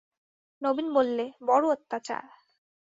নবীন বললে, বড়ো অত্যাচার!